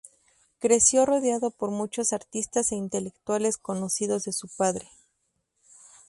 Creció rodeado por muchos artistas e intelectuales conocidos de su padre.